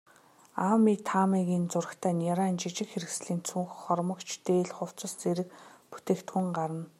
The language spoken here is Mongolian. Аами, Таамигийн зурагтай нярайн жижиг хэрэгслийн цүнх, хормогч, дээл, хувцас зэрэг бүтээгдэхүүн гарна.